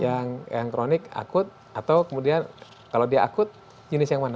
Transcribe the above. yang kronik akut atau kemudian kalau dia akut jenis yang mana